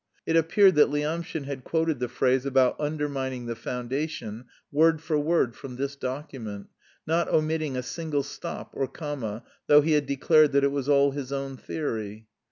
It appeared that Lyamshin had quoted the phrase about "undermining the foundation," word for word from this document, not omitting a single stop or comma, though he had declared that it was all his own theory.